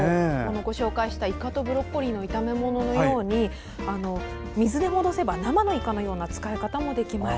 ご紹介したイカとブロッコリーの炒め物のように水で戻せば生のイカのような使い方もできます。